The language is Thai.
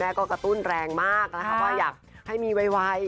แม่ก็กระตุ้นแรงมากนะครับว่าอยากให้มีวัย